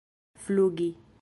flugi